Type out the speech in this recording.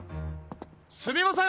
すみません